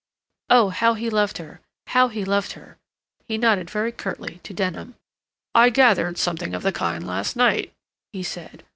Oh, how he loved her! How he loved her! He nodded very curtly to Denham. "I gathered something of the kind last night," he said.